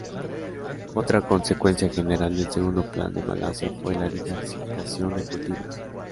Otra consecuencia general del Segundo Plan de Malasia fue la diversificación de cultivos.